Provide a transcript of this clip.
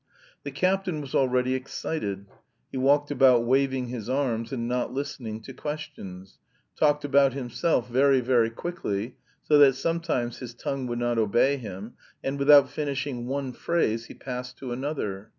The captain was already excited. He walked about waving his arms and not listening to questions, talked about himself very, very quickly, so that sometimes his tongue would not obey him, and without finishing one phrase he passed to another.